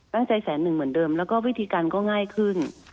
แสนใจแสนหนึ่งเหมือนเดิมแล้วก็วิธีการก็ง่ายขึ้น